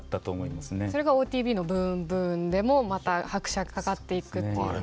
それがＯＴＶの「ＢＯＯＭＢＯＯＭ」でもまた拍車がかかっていくっていうこと。